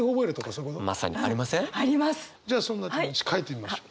じゃあそんな気持ち書いてみましょう。